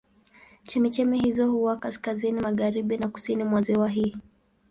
Chemchemi hizo huwa kaskazini magharibi na kusini mwa ziwa hili.